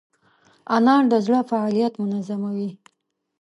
انار د زړه فعالیت منظموي.